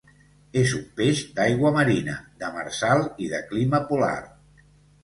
És un peix d'aigua marina, demersal i de clima polar.